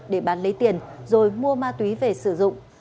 để bán lấy tiền rồi mua ma túy về sử dụng